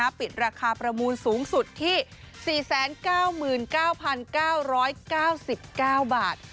ปิดราคาประมูลสูงสุดที่๔๙๙๙๙๙๙บาท